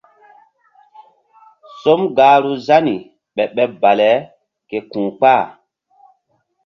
Som gahru Zani ɓeɓ ɓeɓ bale ke ku̧ kpah.